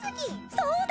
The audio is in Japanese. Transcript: そうだ！